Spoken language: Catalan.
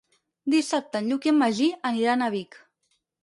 Dissabte en Lluc i en Magí aniran a Vic.